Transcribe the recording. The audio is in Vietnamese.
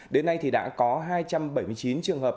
đến nay thì đã có hai trăm bảy mươi chín trường hợp